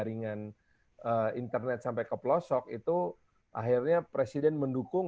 jaringan internet sampai ke pelosok itu akhirnya presiden mendukung